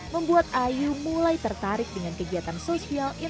membuat ayu mulai tertarik dengan kegiatan social intertrener